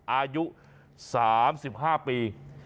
อายุ๓๕ปี